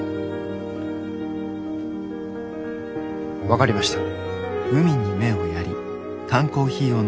分かりました。